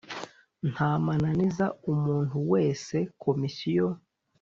nta mananiza umuntu wese Komisiyo